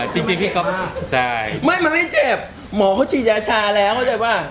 จริงพี่ก๊อปใช่ไม่มันไม่เจ็บหมอเขาฉีดยาชาแล้วเข้าใจป่ะ